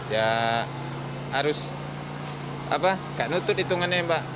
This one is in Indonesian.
ya harus apa nggak nutup hitungannya mbak